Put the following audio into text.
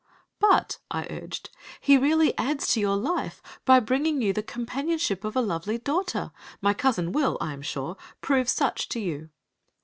"But," I urged, "he really adds to your life by bringing you the companionship of a lovely daughter. My cousin will, I am sure, prove such to you."